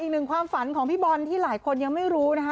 อีกหนึ่งความฝันของพี่บอลที่หลายคนยังไม่รู้นะคะ